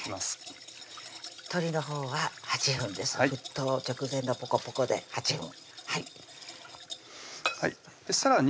沸騰直前のポコポコで８分さらに